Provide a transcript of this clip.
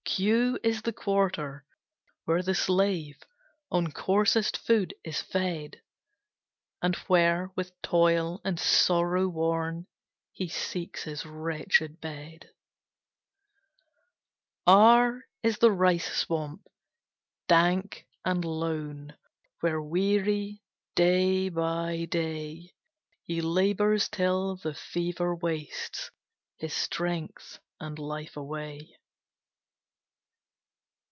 Q Q is the Quarter, where the slave On coarsest food is fed, And where, with toil and sorrow worn, He seeks his wretched bed. R R is the "Rice swamp, dank and lone," Where, weary, day by day, He labors till the fever wastes His strength and life away.